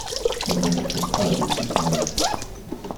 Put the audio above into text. Ihr seid doch total durchgeknallt